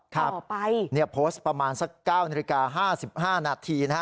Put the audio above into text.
ครับนี่โพสต์ประมาณสัก๙นิริกา๕๕นาที